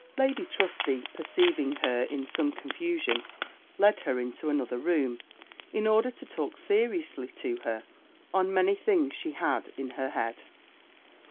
Lady Trusty perceiving her in some confusion, led her into another room, in order to talk seriously to her on many things she had in her head.